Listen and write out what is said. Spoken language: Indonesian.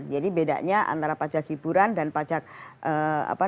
jadi bedanya antara pajak hiburan dan pajak restoran